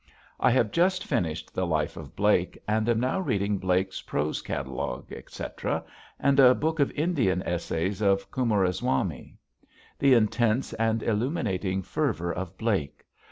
I have just finished the life of Blake and am now reading Blake's prose catalogue, etc., and a book of Indian essays of Coomeraswamy. The intense and illuminating fervor of Blake!